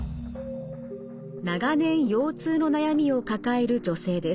長年腰痛の悩みを抱える女性です。